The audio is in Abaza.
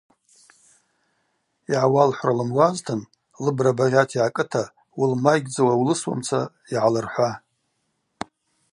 Йгӏауалхӏвра лымуазтын лыбра багъьата йгӏакӏыта уылмайгьдзауа улысуамца йгӏалырхӏва.